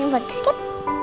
ini buat skip